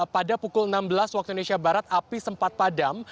pada pukul enam belas waktu indonesia barat api sempat padam